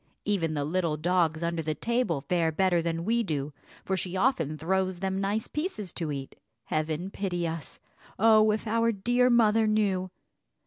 Even the little dogs under the table fare better than we do, for she often throws them nice pieces to eat. Heaven pity us! Oh, if our dear mother knew!